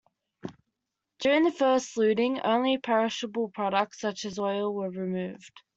During the first looting, only perishable products such as oil were removed.